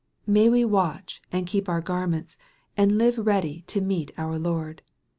May we watch, and keep our garments, and live ready to meet our Lord !